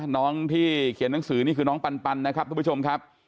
น้องที่เขียนหนังสือนี่คือน้องปันนะครับทุกผู้ชมครับ